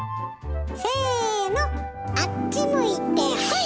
せのあっち向いてホイ！